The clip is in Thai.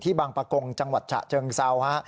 ที่บางประกงจังหวัดชะเจิงเซา